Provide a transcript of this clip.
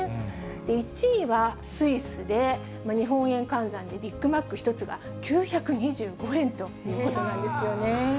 １位はスイスで、日本円換算でビッグマック１つが９２５円ということなんですよね。